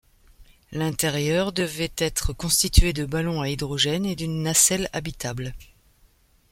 L'intérieur devait être constitué de ballons à hydrogène et d'une nacelle habitable.